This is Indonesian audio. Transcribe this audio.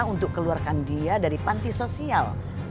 untuk keluarkan dia dari panti sosial